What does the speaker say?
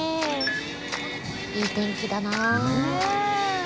いい天気だな。ねぇ。